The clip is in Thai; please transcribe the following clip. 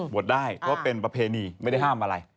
ได้เพราะเป็นประเพณีไม่ได้ห้ามอะไร